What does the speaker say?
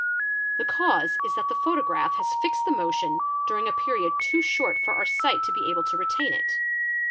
The cause is that the photograph has fixed the motion during a period too short for our sight to be able to retain it.